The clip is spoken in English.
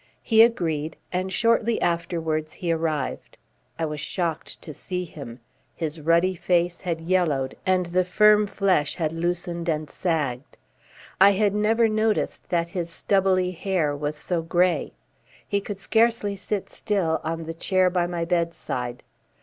He agreed and shortly afterwards he arrived. I was shocked to see him. His ruddy face had yellowed and the firm flesh had loosened and sagged. I had never noticed that his stubbly hair was so grey. He could scarcely sit still on the chair by my bedside.